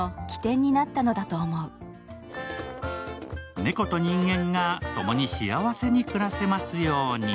猫と人間がともに幸せに暮らせますように。